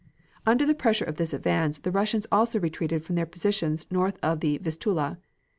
Under the pressure of this advance the Russians also retreated from their positions north of the Vistula.